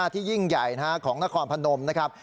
ที่ยิ่งใหญ่ของนครพนมนะครับ